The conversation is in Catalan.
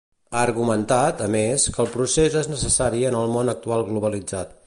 Ha argumentat, a més, que el procés és necessari en el món actual globalitzat.